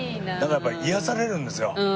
やっぱり癒やされるんですよ。